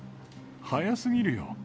早すぎるよ。